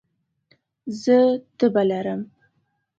زه تبه لرم